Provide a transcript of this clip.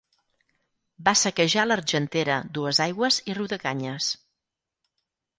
Va saquejar l'Argentera, Duesaigües i Riudecanyes.